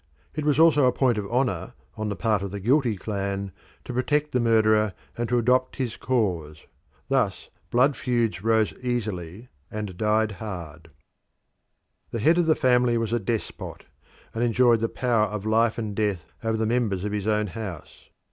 It was also a point of honour on the part of the guilty clan to protect the murderer and to adopt his cause. Thus blood feuds rose easily and died hard. The head of the family was a despot, and enjoyed the power of life and death over the members of his own house.